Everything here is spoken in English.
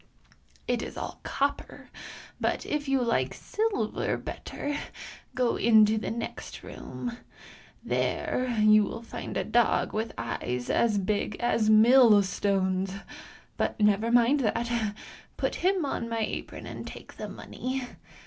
It is all copper, but if you like silver better, go into the next room. There you will find a dog with eyes as big as millstones; but never mind that, put him on my apron and take the money.